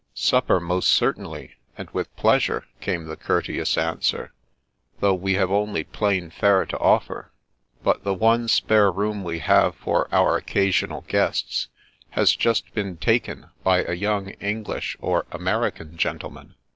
" Supper, most certainly, and with pleasure," came the courteous answer, " though we have only plain fare to offer. But the one spare room we have for our occasional guests, has just been taken by a young English or American gentleman.